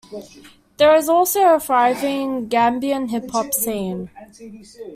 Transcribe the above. There is also a thriving Gambian hip hop scene.